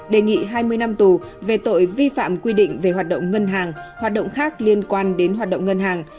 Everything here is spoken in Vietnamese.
đề nghị hai mươi năm tù về tội vi phạm quy định về hoạt động ngân hàng hoạt động khác liên quan đến hoạt động ngân hàng